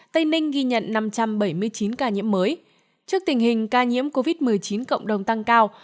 tây ninh ghi nhận năm trăm bảy mươi chín ca nhiễm mới trước tình hình ca nhiễm covid một mươi chín cộng đồng tăng cao